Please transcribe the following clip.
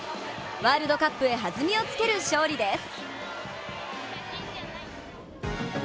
ワールドカップへ弾みをつける勝利です。